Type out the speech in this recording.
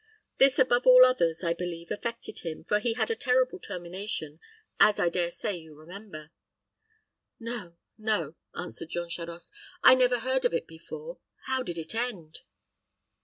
This, above all others, I believe, affected him, for it had a terrible termination, as I dare say you remember." "No no," answered Jean Charost; "I never heard of it before. How did it end?"